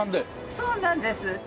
そうなんです。